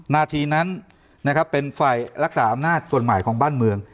นาทีนั้นนะครับเป็นฝ่ายรักษาอำนาจส่วนใหม่ของบ้านเมือง